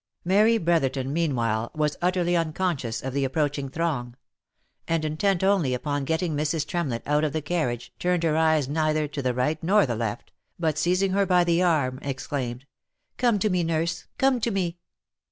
131 Mary Brotherton meanwhile was utterly unconscious of the ap proaching throng ; and intent only upon getting Mrs. Tremlett out of the carriage, turned her eyes neither to the right nor the left, but seizing her by the arm, exclaimed, " Come to me nurse, come to me!"